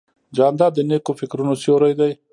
جانداد د نیکو فکرونو سیوری دی.